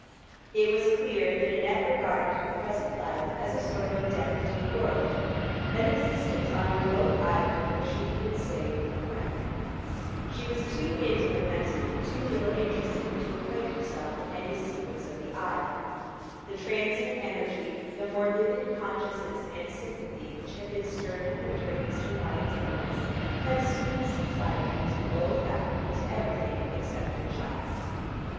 It was clear that Annette regarded her present life as a sort of death to the world an existence on a remote island where she had been saved from wreck. She was too indolent mentally, too little interested, to acquaint herself with any secrets of the isle. The transient energy, the more vivid consciousness and sympathy which had been stirred in her during Mr. Lyon's illness, had soon subsided into the old apathy to everything except her child.